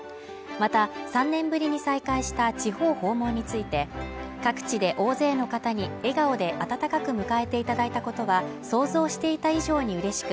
また３年ぶりに再開した地方訪問について各地で大勢の方に笑顔で温かく迎えていただいたことは想像していた以上にうれしく